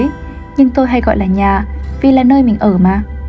thế nhưng tôi hay gọi là nhà vì là nơi mình ở mà